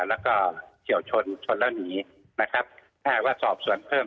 แล้วก็เฉียวชนชนแล้วหนีนะครับถ้าหากว่าสอบส่วนเพิ่ม